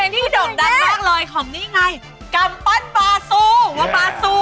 เป็นเบสอีสดุดนตรายเลยของนี่ไงกัมปั้นบาซู้ของบาซู้